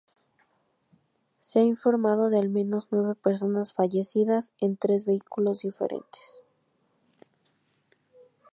Se ha informado de al menos nueve personas fallecidas en tres vehículos diferentes.